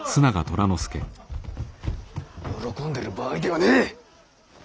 喜んでる場合ではねぇ！